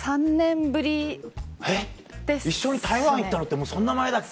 一緒に台湾行ったのってもうそんな前だっけ。